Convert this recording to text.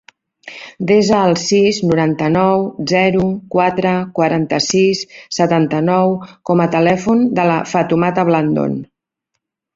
Desa el sis, noranta-nou, zero, quatre, quaranta-sis, setanta-nou com a telèfon de la Fatoumata Blandon.